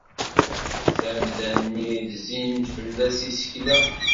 Tamda-nni zzin-d fell-as yisekla.